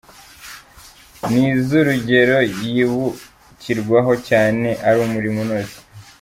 Nizurugero yibukirwaho cyane ari umurimo unoze.